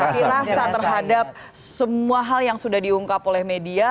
tapi rasa terhadap semua hal yang sudah diungkap oleh media